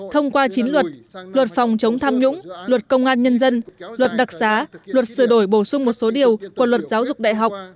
thông qua chín luật luật phòng chống tham nhũng luật công an nhân dân luật đặc xá luật sửa đổi bổ sung một số điều của luật giáo dục đại học